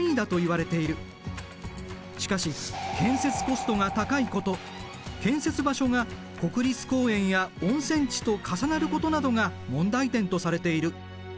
しかし建設コストが高いこと建設場所が国立公園や温泉地と重なることなどが問題点とされている。